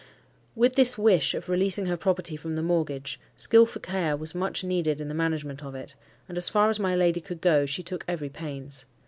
With this wish of releasing her property from the mortgage, skilful care was much needed in the management of it; and as far as my lady could go, she took every pains.